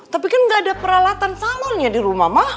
tapi kan gak ada peralatan salonnya di rumah ma